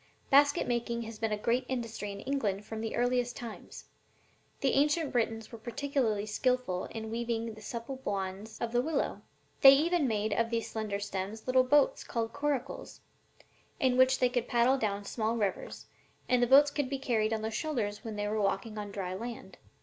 "Basket making has been a great industry in England from the earliest times; the ancient Britons were particularly skillful in weaving the supple wands of the willow. They even made of these slender stems little boats called 'coracles,' in which they could paddle down the small rivers, and the boats could be carried on their shoulders when they were walking on dry land."